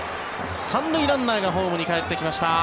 ３塁ランナーがホームにかえってきました。